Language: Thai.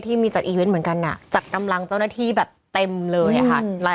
มีจัดอีเวนต์เหมือนกันจัดกำลังเจ้าหน้าที่แบบเต็มเลยค่ะ